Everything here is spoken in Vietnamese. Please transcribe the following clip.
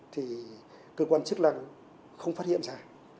thì cơ quan chức năng không phát hiện ra